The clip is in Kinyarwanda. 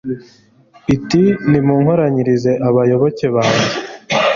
iti nimunkoranyirize abayoboke banjye